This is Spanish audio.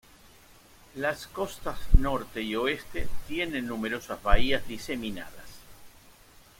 Las costas norte y oeste tienen numerosas bahías diseminadas.